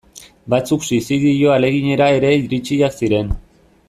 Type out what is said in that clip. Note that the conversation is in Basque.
Batzuk suizidio ahaleginera ere iritsiak ziren.